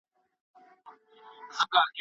د بدن غبرګون د خوړو په وخت بدلون کوي.